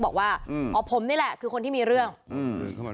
บอกว่าอ๋อผมนี่แหละคือคนที่มีเรื่องอืม